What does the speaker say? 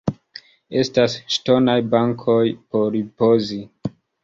Estas ŝtonaj bankoj por ripozi.